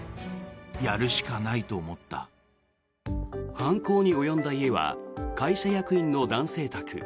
犯行に及んだ家は会社役員の男性宅。